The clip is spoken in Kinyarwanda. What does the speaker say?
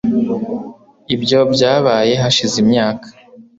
Ibyo byabaye hashize imyaka